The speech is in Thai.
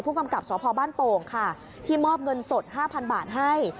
กำกับสพบ้านโป่งค่ะที่มอบเงินสด๕๐๐บาทให้